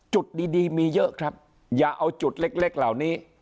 จุดดีมีเยอะครับอย่าเอาจุดเล็กเหล่านี้